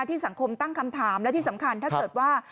สังคมตั้งคำถามและที่สำคัญถ้าเกิดว่า